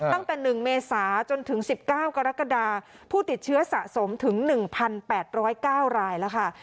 ตั้งแต่๑เมษาจนถึง๑๙กรกฎาผู้ติดเชื้อสะสมถึง๑๘๐๙รายแล้วค่ะ